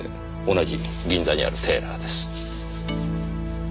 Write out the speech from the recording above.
同じ銀座にあるテーラーです。